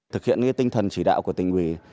thực hiện tinh thần chỉ đạo của tỉnh quỳ